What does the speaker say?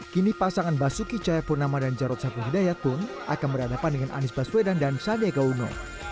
kini pasangan basuki cahayapurnama dan jarod sapul hidayat pun akan berhadapan dengan anies baswedan dan sandiaga uno